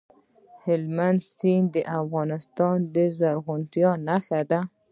هلمند سیند د افغانستان د زرغونتیا نښه ده.